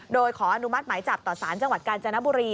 โดยขออนุมัติหมายจับต่อสารจังหวัดกาญจนบุรี